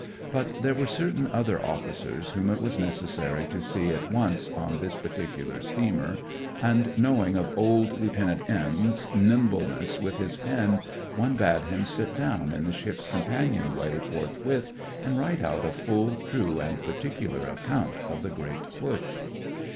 But there were certain other officers whom it was necessary to see at once on this particular steamer, and, 49 Ina. \m li '! ill 50 DESCRIBING 1:TOESCRIBABLE knowing of old Lie\it. M 's nimble ness with his pen, one bade him sit down in the ship's companion way forthwith, and write out a full, true, and particular account of the Great Push.